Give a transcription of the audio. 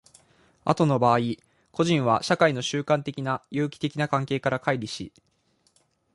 後の場合、個人は社会の習慣的な有機的な関係から乖離し、